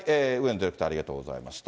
ディレクター、ありがとうございました。